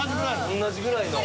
同じぐらいの。